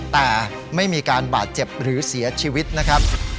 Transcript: แต่ไม่มีการบาดเจ็บหรือเสียชีวิตนะครับ